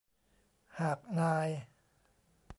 หากนาย